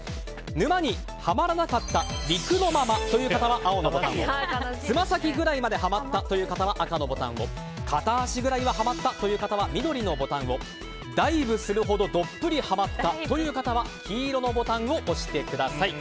沼にハマらなかった陸のままという方は青のボタンをつま先ぐらいまでハマったという方は赤のボタンを片足くらいハマったという方は緑のボタンをダイブするほどどっぷりハマったという方は黄色のボタンを押してください。